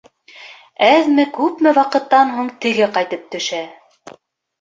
Әҙме-күпме ваҡыттан һуң теге ҡайтып төшә.